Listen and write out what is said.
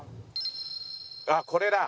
あっこれだ！